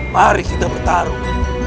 mari kita bertarung